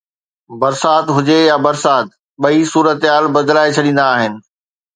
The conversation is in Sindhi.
برسات هجي يا برسات، ٻئي صورتحال بدلائي ڇڏيندا آهن.